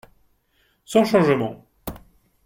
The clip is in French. : Sans changement.